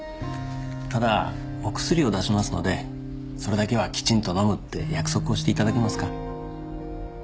ただお薬を出しますのでそれだけはきちんと飲むって約束をしていただけますか？